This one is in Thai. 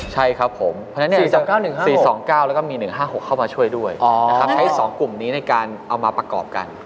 ใช่ครับผมเพราะฉะนั้น๔๒๙แล้วก็มี๑๕๖เข้ามาช่วยด้วยนะครับใช้๒กลุ่มนี้ในการเอามาประกอบกัน